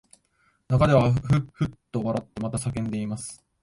中ではふっふっと笑ってまた叫んでいます